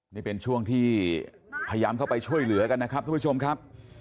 นี่เป็นช่วงที่พยายามเข้าไปช่วยเหลือกันนะครับทุกผู้ชมครับ